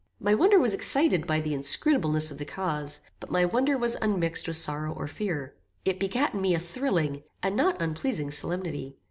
My wonder was excited by the inscrutableness of the cause, but my wonder was unmixed with sorrow or fear. It begat in me a thrilling, and not unpleasing solemnity.